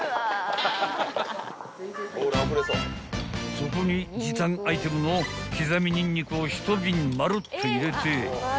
［そこに時短アイテムのきざみにんにくを一瓶まるっと入れて］